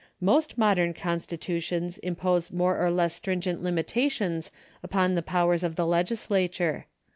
Most modern constitutions impose more or less stringent limitations upon the powers of the legislature.